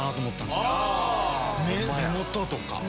目元とか。